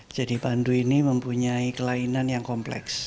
jadi pandu ini mempunyai kelainan yang kompleks